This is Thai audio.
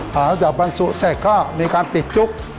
พอได้ปรับบรรจุกและมีการปิดจุ๊ก